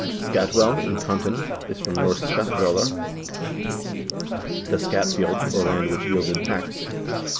Scatwell in Contin is from N. scat ^vgllr, ' the scat field ' or land which yielded tax, i.